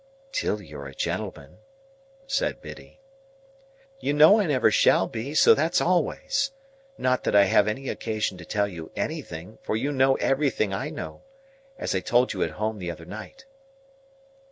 "Till you're a gentleman," said Biddy. "You know I never shall be, so that's always. Not that I have any occasion to tell you anything, for you know everything I know,—as I told you at home the other night."